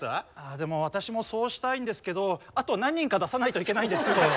でも私もそうしたいんですけどあと何人か出さないといけないんですよ。